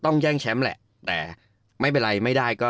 แย่งแชมป์แหละแต่ไม่เป็นไรไม่ได้ก็